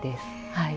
はい。